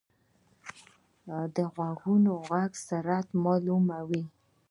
غوږ د غږ سرعت معلوموي.